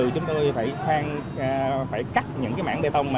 chúng tôi phải cắt những mảng bê tông